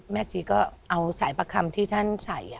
จีก็เอาสายประคำที่ท่านใส่